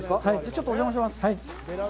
ちょっとお邪魔します。